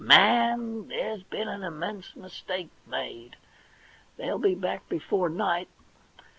* Man, there's been an immense mistake made. They'll be back before night.